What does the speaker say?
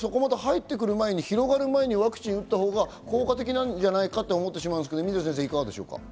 入って来る前に広がる前にワクチンを打ったほうが効果的なんじゃないかと思ってしまうんですけど、いかがでしょう？